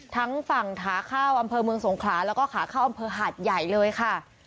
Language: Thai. ทั้งฝั่งขาเข้าอำเภอเมืองสงขลาแล้วก็ขาเข้าอำเภอหาดใหญ่เลยค่ะ